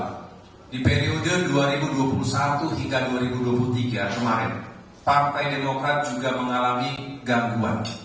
di periode dua ribu dua puluh satu hingga dua ribu dua puluh tiga kemarin partai demokrat juga mengalami gangguan